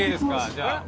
じゃあ。